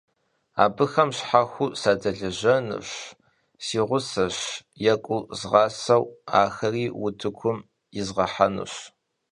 Abıxem şhexueu sadelejenuş, si guğeş, yêk'uu zğaseu, axeri vutıkum yizğehenu.